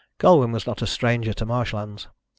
Colwyn was not a stranger to marshlands.